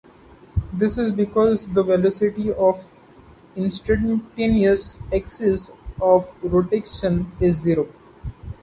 This is because the velocity of instantaneous axis of rotation is zero.